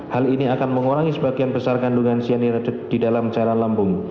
hal ini akan mengurangi sebagian besar kandungan cyanida di dalam cairan lambung